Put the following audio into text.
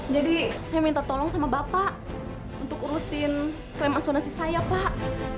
jadi saya minta tolong sama bapak untuk urusin klaim asuransi saya pak